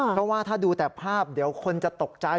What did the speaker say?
เพราะว่าถ้าดูแต่ภาพเดี๋ยวคนจะตกใจ